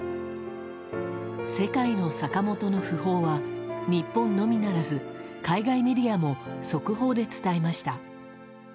世界のサカモトの訃報は日本のみならず海外メディアも速報で伝えました。